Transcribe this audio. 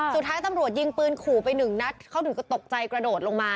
สุดท้ายตำรวจยิงปืนขู่ไปหนึ่งนัดเขาถึงก็ตกใจกระโดดลงมา